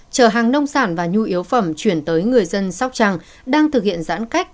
chở hàng nông sản và nhu yếu phẩm chuyển tới người dân sóc trăng đang thực hiện giãn cách